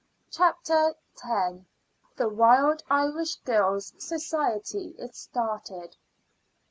CHAPTER X. THE WILD IRISH GIRLS' SOCIETY IS STARTED.